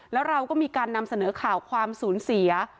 แล้วเราก็มีการนำเสนอข่าวความสูญเสีย